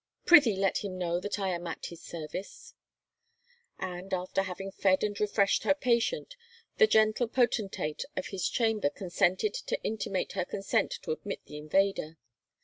Prithee let him know that I am at his service." And, after having fed and refreshed her patient, the gentle potentate of his chamber consented to intimate her consent to admit the invader.